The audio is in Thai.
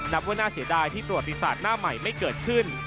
นับว่าน่าเสียดายที่ประวัติศาสตร์หน้าใหม่ไม่เกิดขึ้น